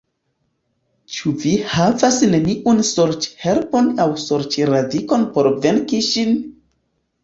Ĉu vi havas neniun sorĉherbon aŭ sorĉradikon por venki ŝin?